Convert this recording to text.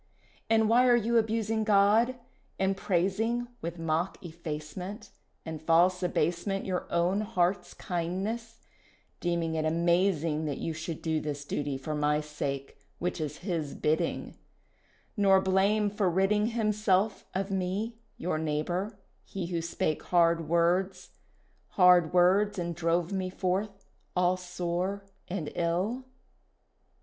"And why are you abusing God, and praising With mock effacement And false abasement Your own heart's kindness, deeming it amazing That you should do this duty for my sake, Which is His bidding, Nor blame for ridding Himself of me, your neighbour, he who spake hard words, Hard words and drove me forth all sore and ill?"